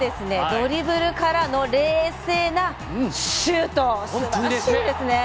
ドリブルからの冷静なシュート素晴らしいですね。